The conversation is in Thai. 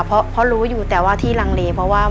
เพราะรู้อยู่แต่ที่รางเล